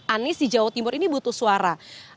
anies di jawa timur ini butuh suara